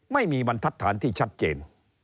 ไม่มีบรรทัฐานที่ชัดเจน